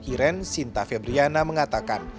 iren sinta febriana mengatakan